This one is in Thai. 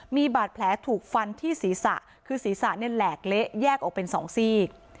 มีบาดแผลถูกฟันที่ศีรษะคือศีรษะเนี่ยแหลกเละแยกออกเป็น๒ซีก